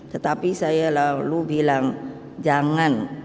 tetapi saya lalu bilang jangan